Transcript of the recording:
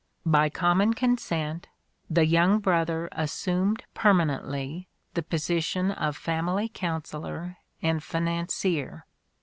By common consent, the young brother assumed permanently the position of family counselor and financier."